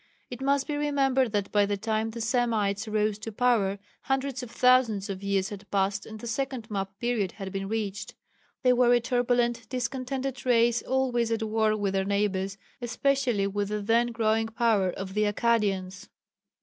It must be remembered that by the time the Semites rose to power hundreds of thousands of years had passed and the 2nd map period had been reached. They were a turbulent, discontented race, always at war with their neighbours, especially with the then growing power of the Akkadians.